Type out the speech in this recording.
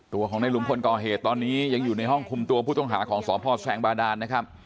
ตัวของในหลุมคนก่อเหตุตอนนี้ยังอยู่ในห้องคุมตัวผู้ต้องหาของสพแซงบาดานนะครับ